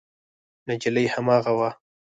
نجلۍ هماغه وه.